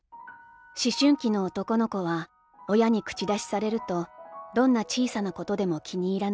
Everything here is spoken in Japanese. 「思春期の男の子は、親に口出しされると、どんな小さなことでも気に入らないもの。